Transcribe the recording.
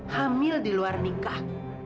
hamil di luar nikah